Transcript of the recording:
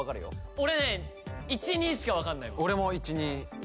俺ね１２しかわかんないもん